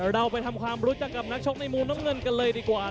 เราไปทำความรู้จักกับนักชกในมุมน้ำเงินกันเลยดีกว่า